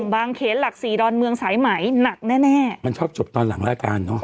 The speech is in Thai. บางเขนหลักสี่ดอนเมืองสายไหมหนักแน่แน่มันชอบจบตอนหลังรายการเนอะ